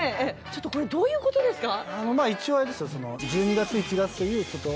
ちょっとこれどういうことですか？